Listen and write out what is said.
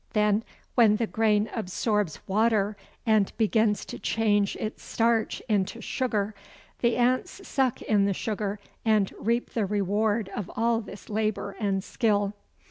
Then when the grain absorbs water and begins to change its starch into sugar, the ants suck in the sugar and reap the reward of all this labour and skill.